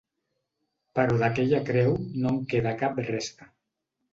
Però d'aquella creu no en queda cap resta.